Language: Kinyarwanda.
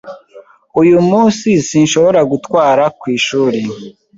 Uyu munsi sinshobora gutwara ku ishuri.